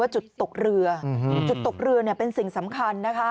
จุดตกเรือเป็นสิ่งสำคัญนะคะ